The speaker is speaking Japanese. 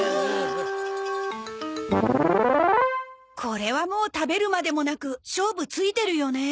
これはもう食べるまでもなく勝負ついてるよね。